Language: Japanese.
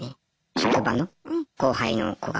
職場の後輩の子が。